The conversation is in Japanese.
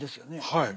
はい。